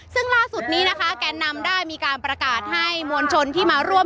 ซึ่งล่าสุดนี้นะคะแกนนำได้มีการประกาศให้มวลชนที่มาร่วม